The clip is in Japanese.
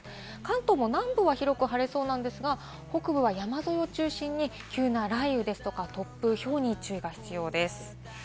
関東も南部は晴れそうですが、北部は山沿いを中心に急な雷雨ですとか、突風、ひょうに注意が必要です。